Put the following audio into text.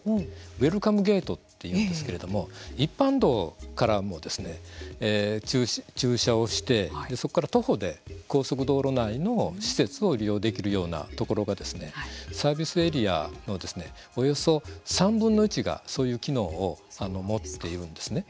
ウェルカムゲートというんですけれども一般道からも駐車をしてそこから徒歩で高速道路内の施設を利用できるようなところがサービスエリアのおよそ３分の１が、そういう機能を持っているんですね。